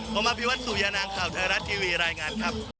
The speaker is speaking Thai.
ผมอภิวัตสุยานางข่าวไทยรัฐทีวีรายงานครับ